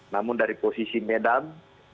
namun dari posisi medan